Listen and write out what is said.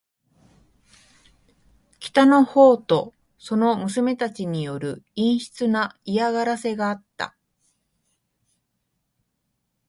北の方とその娘たちによる陰湿な嫌がらせがあった。